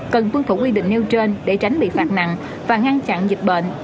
cần tuân thủ quy định nêu trên để tránh bị phạt nặng và ngăn chặn dịch bệnh